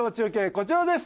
こちらです